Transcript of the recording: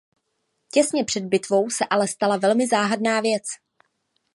Těsně před bitvou se ale stala velmi záhadná věc.